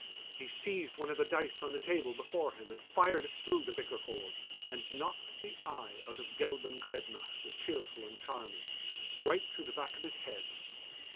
He seized one of the dice on the table before him and fired it through the bicker hole, and knocked the eye out of Gelban Grednach the Cheerful and Charming, right through the back of his head.